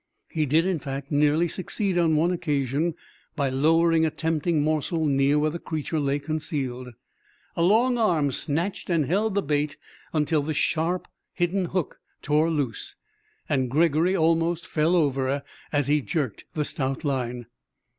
He did, in fact, nearly succeed on one occasion by lowering a tempting morsel near where the creature lay concealed. A long arm snatched and held the bait until the sharp, hidden hook tore loose, and Gregory almost fell over as he jerked the stout line.